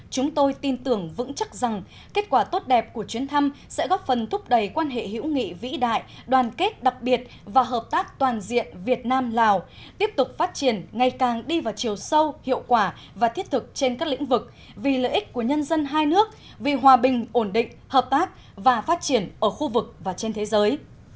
chúng tôi tin tưởng vững chắc rằng kết quả tốt đẹp của chuyến thăm sẽ góp phần thúc đẩy quan hệ hữu nghị vĩ đại đoàn kết đặc biệt và hợp tác toàn diện việt nam lào tiếp tục phát triển ngày càng đi vào chiều sâu hiệu quả và thiết thực trên các lĩnh vực vì lợi ích của nhân dân hai nước vì hòa bình ổn định hợp tác và phát triển ở khu vực và trên thế giới